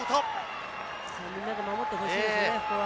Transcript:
みんなで守ってほしいですね。